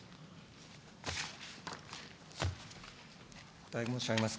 お答え申し上げます。